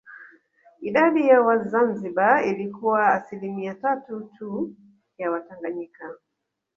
Idadi ya Wazanzibari ilikuwa asilimia tatu tu ya Watanganyika